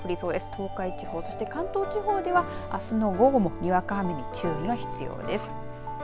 東海地方、そして関東地方ではあすの午後もにわか雨に注意が必要です。